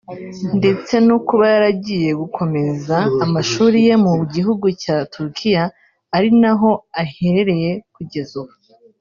ndetse no kuba yaragiye gukomeza amashuri ye mu gihugu cya Turikiya ari naho aherereye kugeza ubu